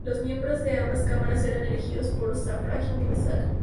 Los miembros de ambas cámaras eran elegidos por sufragio universal.